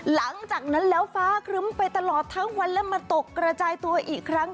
หลังจากนั้นแล้วฟ้าครึ้มไปตลอดทั้งวันและมาตกกระจายตัวอีกครั้ง